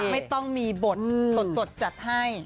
ไม่ต้องมีบทสดจัดให้